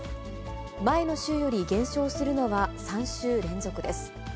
前の週より減少するのは３週連続です。